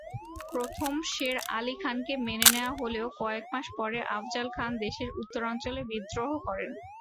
প্রথমে শের আলি খানকে মেনে নেয়া হলেও কয়েক মাস পরে আফজাল খান দেশের উত্তরাঞ্চলে বিদ্রোহ করেন।